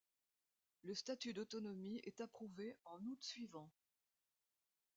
Le statut d'autonomie est approuvé en août suivant.